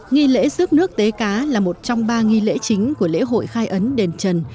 nghi lễ rước nước tế cá là một trong ba nghi lễ chính của lễ hội khai ấn đền trần